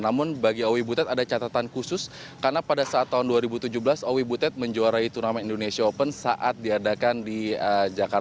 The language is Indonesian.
namun bagi owi butet ada catatan khusus karena pada saat tahun dua ribu tujuh belas owi butet menjuarai turnamen indonesia open saat diadakan di jakarta